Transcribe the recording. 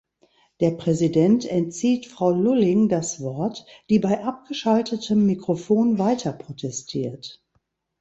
Der Präsident entzieht Frau Lulling das Wort, die bei abgeschaltetem Mikrofon weiterprotestiert.